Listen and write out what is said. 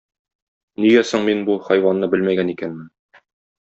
Нигә соң мин бу хайванны белмәгән икәнмен?